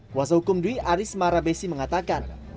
kuasa hukum dwi aris marabesi mengatakan